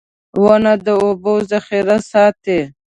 • ونه د اوبو ذخېره ساتي.